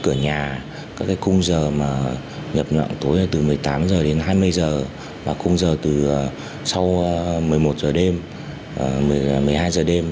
cửa nhà các cái khung giờ mà nhập nặng tối là từ một mươi tám h đến hai mươi h và khung giờ từ sau một mươi một h đêm một mươi hai giờ đêm